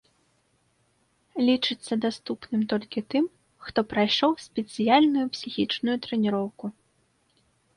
Лічыцца даступным толькі тым, хто прайшоў спецыяльную псіхічную трэніроўку.